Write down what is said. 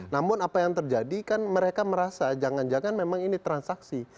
namun apa yang terjadi kan mereka merasa jangan jangan memang ini transaksi